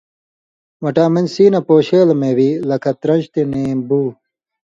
وٹامن سی نے پون٘شېل مېوی لکھہ ترنج تے نېمبو۔